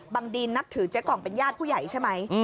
ดีนนับถือเจ๊กล่องเป็นญาติผู้ใหญ่ใช่ไหม